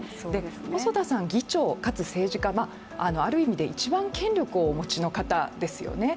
細田さん、議長かつ政治家、ある意味で一番権力をお持ちの方ですよね。